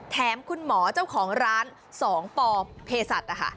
แถมคุณหมอเจ้าของร้านสองป่อเพศัตริย์